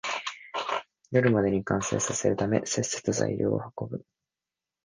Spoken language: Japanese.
夜までに完成させるため、せっせと材料を運ぶ